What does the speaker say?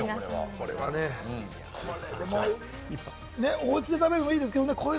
おうちで食べるのもいいですけど、おや？